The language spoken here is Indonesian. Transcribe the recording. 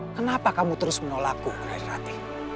kenapa kamu terus menolakku rai rati